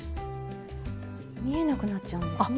見えなくなっちゃうんですね。